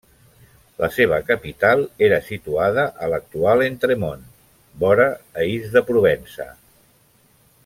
La seva capital era situada a l'actual Entremont, vora Ais de Provença.